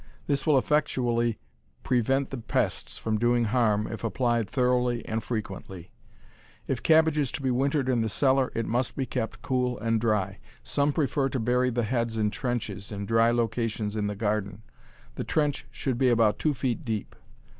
This will effectually prevent the pests from doing harm if applied thoroughly and frequently. If cabbage is to be wintered in the cellar, it must be kept cool and dry. Some prefer to bury the heads in trenches, in dry locations in the garden. The trench should be about two feet deep.